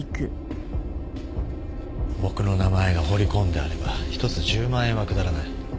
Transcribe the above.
僕の名前が彫り込んであれば１つ１０万円は下らない。